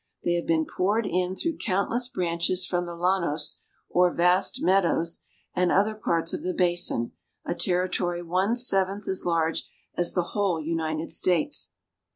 They have been poured in through countless branches from the llanos, or vast meadows, and other parts of the basin, a territory one seventh as large as the whole United States.